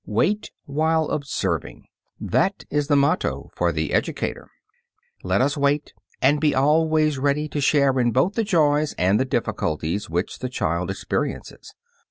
"Wait while observing." That is the motto for the educator. Let us wait, and be always ready to share in both the joys and the difficulties which the child experiences.